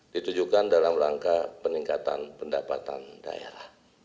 ditujukan dalam rangka peningkatan pendapatan daerah